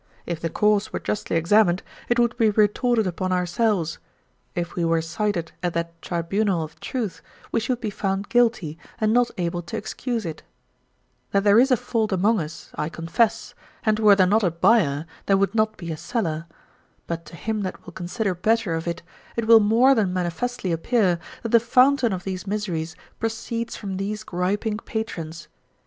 If the cause were justly examined, it would be retorted upon ourselves, if we were cited at that tribunal of truth, we should be found guilty, and not able to excuse it That there is a fault among us, I confess, and were there not a buyer, there would not be a seller; but to him that will consider better of it, it will more than manifestly appear, that the fountain of these miseries proceeds from these griping patrons.